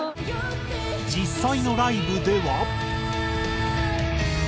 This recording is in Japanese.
実際のライブでは。